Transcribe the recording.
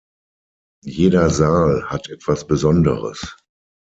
Jeder Saal hat etwas Besonderes.